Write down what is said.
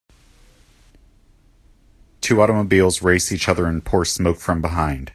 Two automobiles race each other and pour smoke from behind.